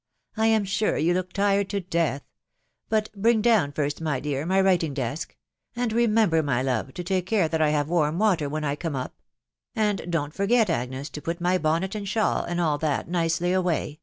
" I am sure you look tired to death. ... But bring down first, my dear, my writing desk ; and remember, my love, to take care that I have warm water when I come up ;.... and don't forget, Agnes, to put my bonnet and shawl, and all that, nicely away